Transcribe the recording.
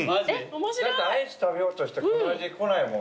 アイス食べようとしてこの味こないもん。